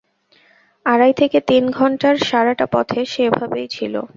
আড়াই থেকে তিন ঘণ্টার সারাটা পথে সে এভাবেই ছিল।